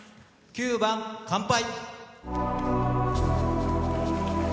９番「乾杯」。